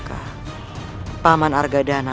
masuklah ke dalam